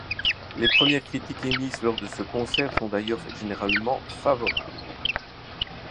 Les premières critiques émises lors de ce concert sont d'ailleurs généralement favorables.